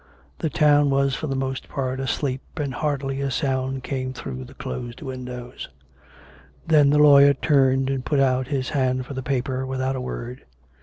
The town was for the most part asleep, and hardly a sound came through the closed windows. Then the lawyer turned and put out his hand for the paper without a word.